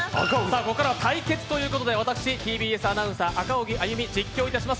ここからは対決ということで私、ＴＢＳアナウンサー、赤荻歩、実況いたします。